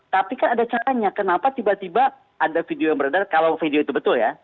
tapi kan ada caranya kenapa tiba tiba ada video yang beredar kalau video itu betul ya